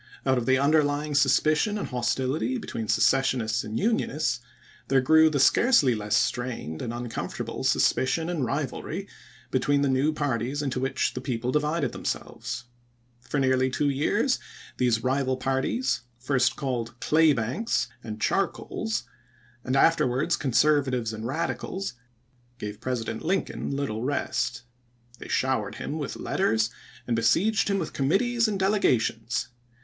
Out of the underlying suspicion and hostility between Secessionists and Unionists there grew the scarcely less strained and uncomfortable suspicion and rivalry between the new parties into which the people divided themselves. For nearly two years these rival parties, first called Claybanks and Char coals and afterwards Conservatives and Radicals, gave President Lincoln Uttle rest. They showered him with letters and besieged him with committees and delegations.